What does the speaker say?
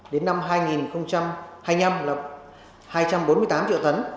đến năm hai nghìn hai mươi năm là hai trăm bốn mươi tám triệu tấn